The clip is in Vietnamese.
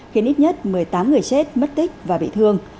khiến ít nhất một mươi tám người chết mất tích và bị thương